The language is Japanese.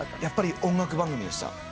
やっぱり音楽番組でした。